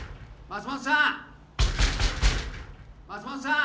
・松本さん！